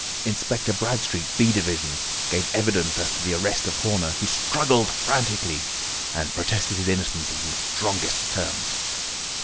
Inspector Bradstreet, B division, gave evidence as to the arrest of Horner, who struggled frantically, and protested his innocence in the strongest terms.